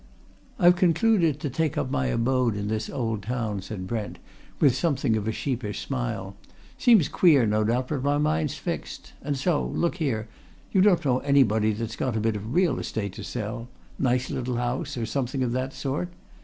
"I've concluded to take up my abode in this old town," said Brent, with something of a sheepish smile. "Seems queer, no doubt, but my mind's fixed. And so, look here, you don't know anybody that's got a bit of real estate to sell nice little house, or something of that sort?